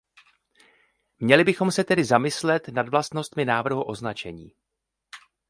Měli bychom se tedy zamyslet nad vlastnostmi návrhu označení.